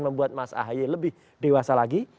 membuat mas ahy lebih dewasa lagi